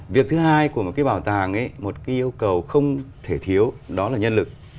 việc thứ hai của một cái bảo tàng ấy một cái yêu cầu không thể thiếu đó là nhân lực